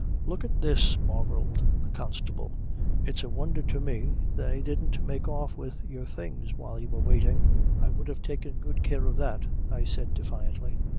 "Look at this," marvelled the constable. "It's a wonder to me they didn't make off with your things while you were waiting." "I would have taken good care of that," I said defiantly.